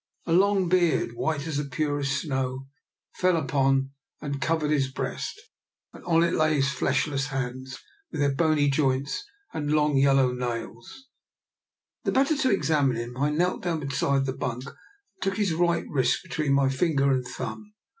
A long beard, white as the purest snow, fell upon, and covered 86 r>R. NIKOLA'S EXPERIMENT. his breast, and on it lay his fleshless hands, with their bony joints and long yellow nails. The better to examine him, I knelt down be side the bunk and took his right wrist between my finger and thumb.